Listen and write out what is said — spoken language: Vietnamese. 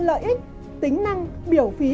lợi ích tính năng biểu phí